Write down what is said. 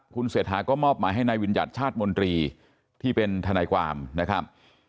คุณเศรษฐาก็มอบหมายให้นายวิญญัติชาติมนตรีที่เป็นทนายความนะครับ